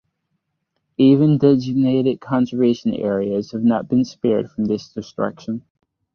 Even designated conservation areas have not been spared from this destruction.